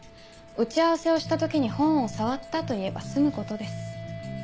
打ち合わせをした時に本を触ったと言えば済むことです。